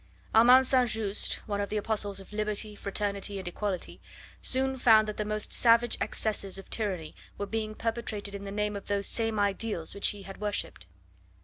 Armand St. Just, one of the apostles of liberty, fraternity, and equality, soon found that the most savage excesses of tyranny were being perpetrated in the name of those same ideals which he had worshipped.